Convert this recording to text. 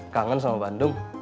kangen sama bandung